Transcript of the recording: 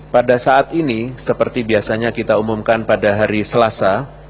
pada saat ini seperti biasanya kita umumkan pada hari selasa